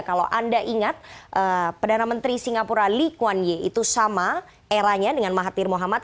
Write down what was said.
kalau anda ingat perdana menteri singapura lee kuan ye itu sama eranya dengan mahathir mohamad